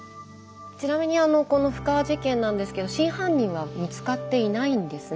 ちなみにこの布川事件なんですけど真犯人は見つかっていないんですね